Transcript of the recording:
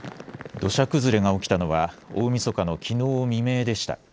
土砂崩れが起きたのは大みそかのきのう未明でした。